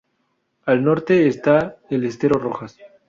Al norte está el Estero Rojas.